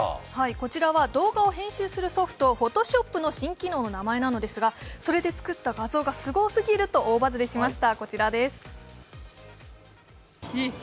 こちらは動画を編集するソフト、Ｐｈｏｔｏｓｈｏｐの新機能の名前なのですが、それで作った画像がすごすぎると大バズりしました。